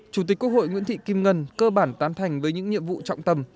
chủ tịch quốc hội nguyễn thị kim ngân cơ bản tán thành với những nhiệm vụ trọng tâm